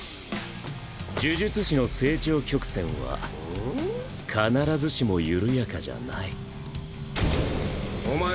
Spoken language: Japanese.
呪術師の成長曲線は必ずしも緩やかじゃないお前